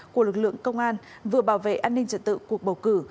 của lực lượng công an vừa bảo vệ an ninh trật tự cuộc bầu cử